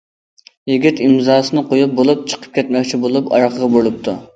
يىگىت ئىمزاسىنى قويۇپ بولۇپ، چىقىپ كەتمەكچى بولۇپ ئارقىغا بۇرۇلۇپتۇ.